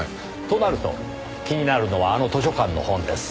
となると気になるのはあの図書館の本です。